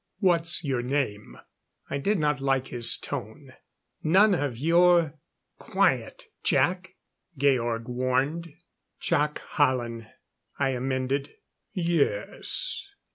"What's your name?" I did not like his tone. "None of your " "Quiet, Jac," Georg warned. "Jac Hallen," I amended. "Yes.